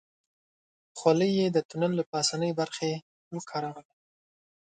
خولۍ يې د تونل له پاسنۍ برخې وکاروله.